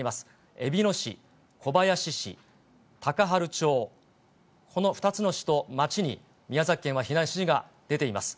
えびの市、小林市、高原町、この２つの市と町に宮崎県は避難指示が出ています。